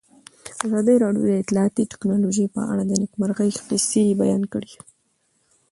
ازادي راډیو د اطلاعاتی تکنالوژي په اړه د نېکمرغۍ کیسې بیان کړې.